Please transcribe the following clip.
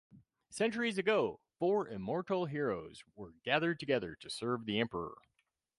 Centuries ago, four immortal heroes were gathered together to serve the emperor.